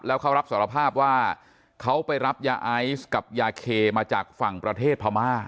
แล้วเขารับสารภาพว่าเขาไปรับยาไอซ์กับยาเคมาจากฝั่งประเทศพม่า